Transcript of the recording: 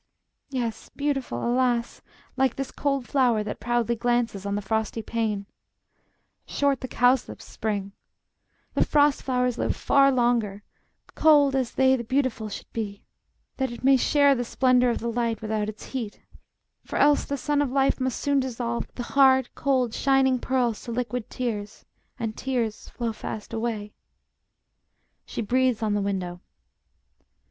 Yes, beautiful, alas! like this cold flower That proudly glances on the frosty pane. Short is the violet's, short the cowslip's spring; The frost flowers live far longer: cold as they The beautiful should be, that it may share The splendor of the light without its heat; For else the sun of life must soon dissolve The hard, cold, shining pearls to liquid tears; And tears flow fast away. [She breathes on the window.